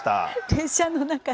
電車の中で。